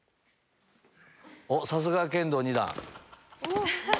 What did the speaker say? おっさすが剣道２段。